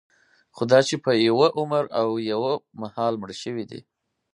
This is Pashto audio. خوداچې په یوه عمر او یوه مهال مړه شوي دي.